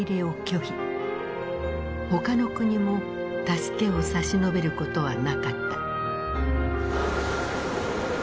他の国も助けを差し伸べることはなかった。